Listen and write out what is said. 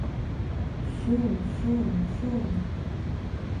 Чыҥ-чыҥ-чыҥ!..